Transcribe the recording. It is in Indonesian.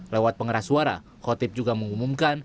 lewat pengeras suara khotib juga mengumumkan